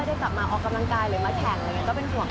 เราก็นิจจักรว่าเราเคยมาคุยกันว่าครบชวนว่า